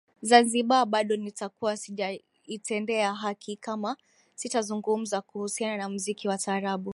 Zanzibar bado nitakuwa sijaitendea haki kama sitazungumza kuhusiana na muziki wa taarabu